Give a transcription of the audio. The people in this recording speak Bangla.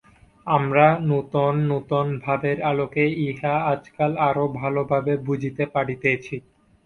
আমরা নূতন নূতন ভাবের আলোকে ইহা আজকাল আরও ভালভাবে বুঝিতে পারিতেছি।